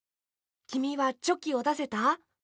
きみはチョキをだせた？